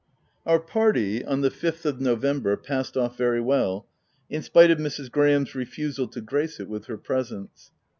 Our party, on the fifth of November, passed off very well in spite of Mrs. Graham's refusal to grace it with her presence.